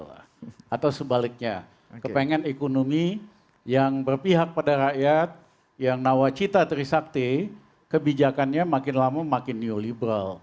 atau sebaliknya kepengen ekonomi yang berpihak pada rakyat yang nawacita trisakti kebijakannya makin lama makin neoliberal